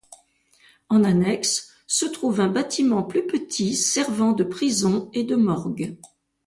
En annexe, se trouve un bâtiment plus petit servant de prison et de morgue.